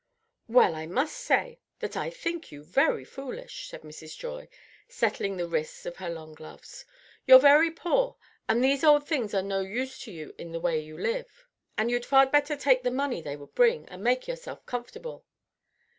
"Well, I must say that I think you very foolish," said Mrs. Joy, settling the wrists of her long gloves. "You're very poor, and these old things are no use to you in the way you live; and you'd far better take the money they would bring, and make yourself comfortable."